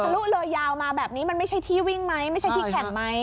ลุเลยยาวมาแบบนี้มันไม่ใช่ที่วิ่งไหมไม่ใช่ที่แข่งไหม